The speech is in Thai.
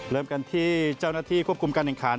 เริ่มกันที่เจ้าหน้าที่ควบคุมการแข่งขัน